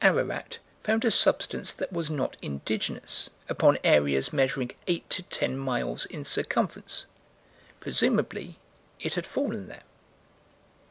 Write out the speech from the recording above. Ararat, found a substance that was not indigenous, upon areas measuring 8 to 10 miles in circumference. Presumably it had fallen there.